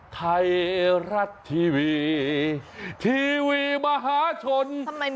ไทยรัฐทีวีมหาชน๓๒